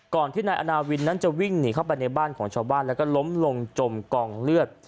ที่นายอาณาวินนั้นจะวิ่งหนีเข้าไปในบ้านของชาวบ้านแล้วก็ล้มลงจมกองเลือด